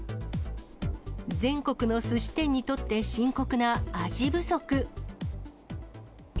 全国のすし店にとって深刻なアジ不足。